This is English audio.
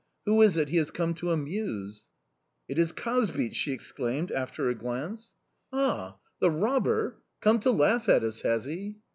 Who is it he has come to amuse?'... "'It is Kazbich!' she exclaimed after a glance. "'Ah, the robber! Come to laugh at us, has he?